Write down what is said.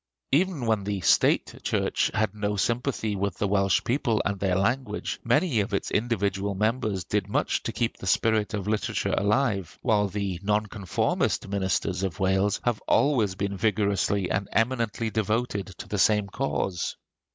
Even when the State church had no sympathy with the Welsh people and their language, many of its individual members did much to keep the spirit of literature alive; while the nonconformist ministers of Wales have always been vigorously and eminently devoted to the same cause.